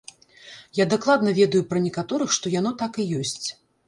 Я дакладна ведаю пра некаторых, што яно так і ёсць.